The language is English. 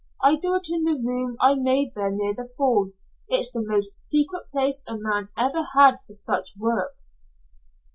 I do it in the room I made there near the fall. It's the most secret place a man ever had for such work."